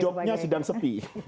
jobnya sedang sepi